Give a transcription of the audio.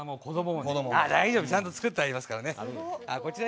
大丈夫ちゃんと作ってありますからね。